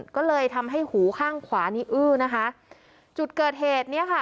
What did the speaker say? ก็เลยทำให้หูข้างขวานี้อื้อนะคะจุดเกิดเหตุเนี้ยค่ะ